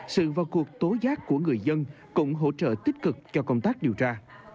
sự vào cuộc tố giác của người dân cũng hỗ trợ tích cực cho công tác điều tra